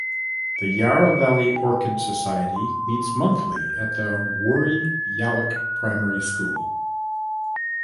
The Yarra Valley Orchid Society meets monthly at the Woori Yallock Primary School.